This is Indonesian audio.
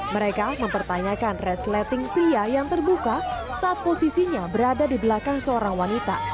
mereka mempertanyakan resleting pria yang terbuka saat posisinya berada di belakang seorang wanita